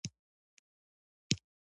زما کشر زوی سره له دې چې کوڼ هم و